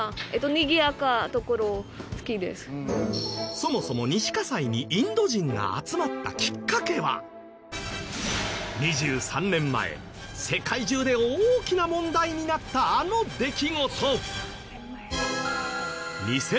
そもそも西西にインド人が集まったきっかけは２３年前世界中で大きな問題になったあの出来事！